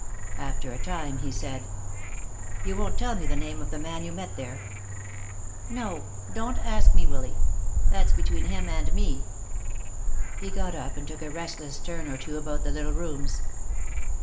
After a time he said: "You won't tell me the name of the man you met there?" "No. Don't ask me, Willy. That's between him and me." He got up and took a restless turn or two about the little rooms.